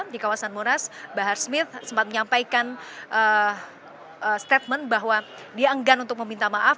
di kawasan monas bahar smith sempat menyampaikan statement bahwa dia enggan untuk meminta maaf